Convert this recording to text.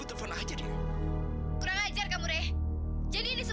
terbang ke sini